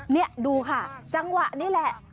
นี่ดูค่ะจังหวะนี้แหละ